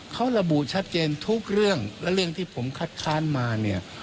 เขาระบุชัดเจนทุกเรื่องและเรื่องที่ผมคัดค้านมาเนี่ย